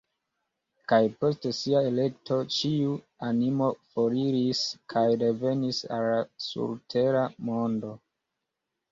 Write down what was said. Kaj post sia elekto ĉiu animo foriris kaj revenis al la surtera mondo.